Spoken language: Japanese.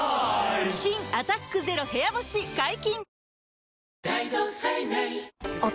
新「アタックＺＥＲＯ部屋干し」解禁‼